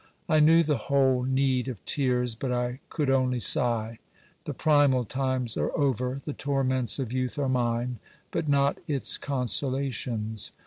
I knew the whole need of tears, but I could only sigh. The primal times are over; the torments of youth are mine, but not its consolations.